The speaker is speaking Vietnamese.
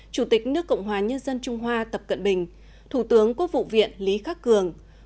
chủ tịch nước cộng hòa nhân dân trung hoa tập cận bình thủ tướng quốc vụ viện lý khắc cường